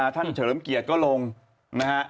ท่านเฉริมเกียรติก็ลงนะฮะ